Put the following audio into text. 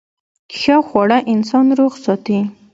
ښه خواړه انسان روغ ساتي.